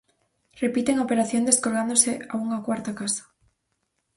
Repiten a operación descolgándose a unha cuarta casa.